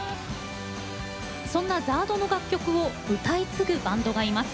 そんなＺＡＲＤの楽曲を歌い継ぐバンドがいます。